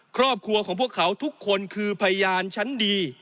ครอบครัวของพวกเขาทุกคนคือพยานชั้นดี